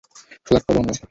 Flat পাবো আমরা।